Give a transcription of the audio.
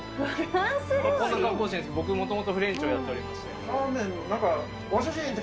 僕、もともとフレンチをやってまして。